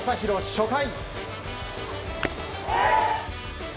初回。